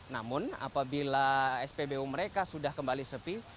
namun apabila spbu mereka sudah kembali sepi